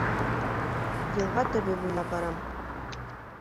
Йылға төбө буйлап барам.